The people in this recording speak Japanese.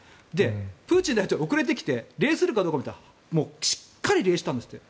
プーチン大統領、遅れてきて礼するかどうか見たらしっかり礼をしたんですって。